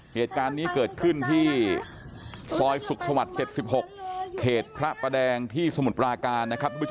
เหตุการณ์นี้เกิดขึ้นที่ซอยสุขสมัตร๗๖เขตพระแดงที่สมุดปลากาล